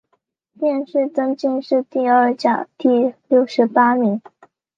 殿试登进士第二甲第六十八名。